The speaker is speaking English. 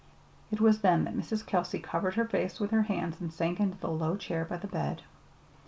It was then that Mrs. Kelsey covered her face with her hands and sank into the low chair by the bed.